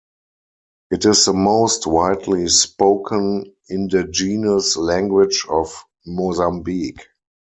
It is the most widely spoken indigenous language of Mozambique.